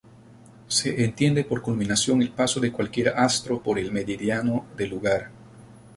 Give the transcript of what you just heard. Se entiende por culminación el paso de cualquier astro por el meridiano del lugar.